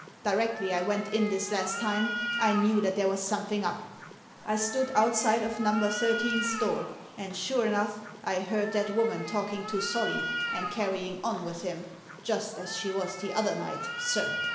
Directly I went in this last time I knew that there was something up. I stood outside of Number Thirteen's door, and sure enough I heard that woman talking to Solly, and carrying on with him, just as she was the other night, sir.